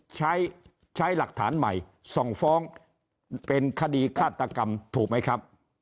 ใช้ใช้หลักฐานใหม่ส่งฟ้องเป็นคดีฆาตกรรมถูกไหมครับ